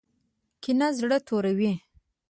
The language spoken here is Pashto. کینه زړه توروي